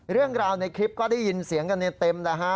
เรื่องราวในคลิปก็ได้ยินเสียงกันเต็มแล้วฮะ